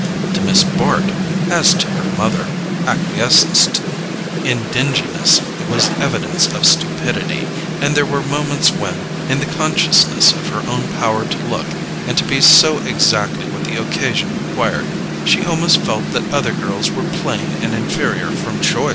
To Miss Bart, as to her mother, acquiescence in dinginess was evidence of stupidity; and there were moments when, in the consciousness of her own power to look and to be so exactly what the occasion required, she almost felt that other girls were plain and inferior from choice.